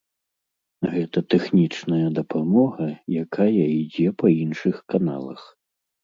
Гэта тэхнічная дапамога, якая ідзе па іншых каналах.